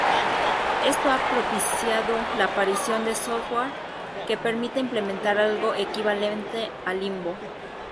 Esto ha propiciado la aparición de software que permita implementar algo equivalente al limbo.